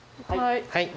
はい。